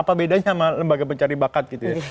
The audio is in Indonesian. apa bedanya sama lembaga pencari bakat gitu ya